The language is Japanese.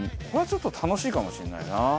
これはちょっと楽しいかもしれないな。